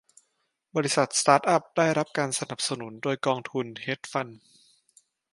บริษัทสตาร์ตอัพได้รับการสนับสนุนโดยกองทุนเฮดจ์ฟันด์